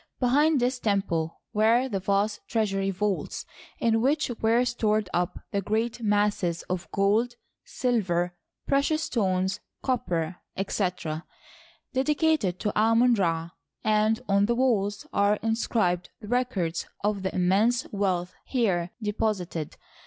Behind this temple were the vast treasury vaults, in which were stored up the g^eat masses df gold, silver, precious stones, copper, etc., dedicated to Amon Ra, and on the walls are inscribed the records of the im mense wealth here deposited.